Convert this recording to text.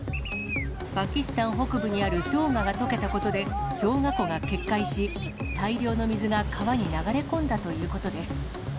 パキスタン北部にある氷河がとけたことで、氷河湖が決壊し、大量の水が川に流れ込んだということです。